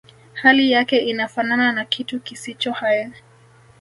hali yake inafanana na kitu kisicho hai